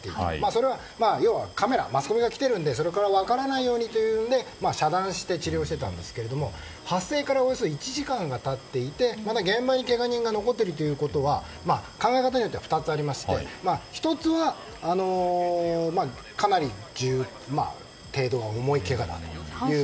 それは要はカメラ、マスコミが来ているのでそれから分からないように遮断し治療していたんですが発生からおよそ１時間が経っていてまだ現場にけが人が残っているということは考え方としては２つありまして１つはかなり程度が重いけがだということ。